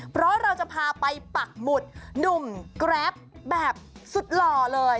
เพราะเราจะพาไปปักหมุดหนุ่มแกรปแบบสุดหล่อเลย